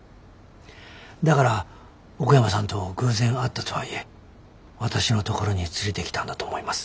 だから奥山さんと偶然会ったとはいえ私の所に連れてきたんだと思います。